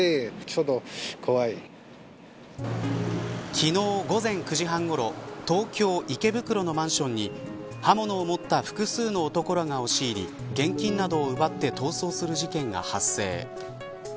昨日午前９時半ごろ東京、池袋のマンションに刃物を持った複数の男らが押し入り現金などを奪って逃走する事件が発生。